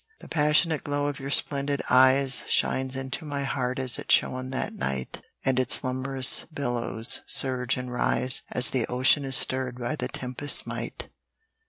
The passionate glow of your splendid eyes Shines into my heart as it shone that night, And its slumberous billows surge and rise As the ocean is stirred by the tempest's might.